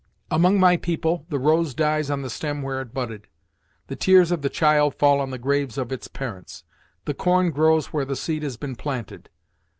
Among my people, the rose dies on the stem where it budded, the tears of the child fall on the graves of its parents; the corn grows where the seed has been planted.